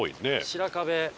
白壁。